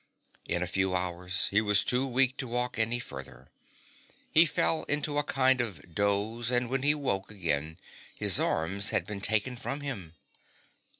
In a few hours he was too weak to walk any further. He fell into a kind of doze, and when he woke again his arms had been taken from him.